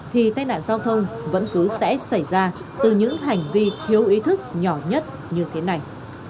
thì tai nạn giao thông vẫn cứ sẽ xảy ra từ những hành vi thiếu ý thức nhỏ nhất như thế này